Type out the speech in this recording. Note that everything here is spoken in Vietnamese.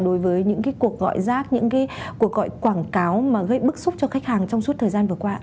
đối với những cái cuộc gọi rác những cái cuộc gọi quảng cáo mà gây bức xúc cho khách hàng trong suốt thời gian vừa qua